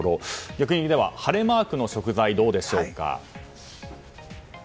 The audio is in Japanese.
逆に晴れマークの食材はどうでしょうか？